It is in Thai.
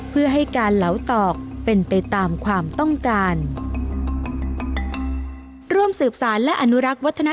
เพื่อให้การเหลาตอกเป็นไปตามความต้องการ